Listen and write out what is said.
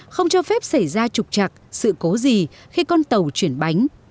không cho phép xảy ra trục chặt sự cố gì khi con tàu chuyển bánh